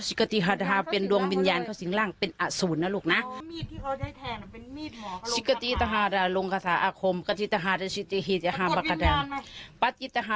สิกติฮทฮปริยัตนาเป็นโดมวิญญาณเข้าศรีงร่างเป็นอสูรนะลูกนะ